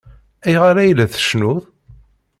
Ayɣer ay la tcennuḍ?